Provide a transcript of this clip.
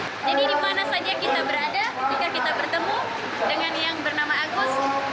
jadi dimana saja kita berada jika kita bertemu dengan yang bernama agus